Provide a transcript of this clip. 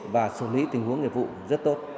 và xử lý tình huống nghiệp vụ rất tốt